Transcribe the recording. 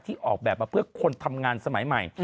ออกแบบมาเพื่อคนทำงานสมัยใหม่